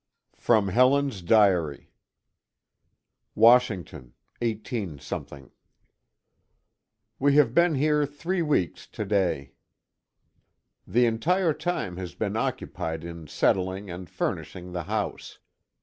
[From Helen's Diary.] Washington, 18 . We have been here three weeks to day. The entire time has been occupied in settling and furnishing the house.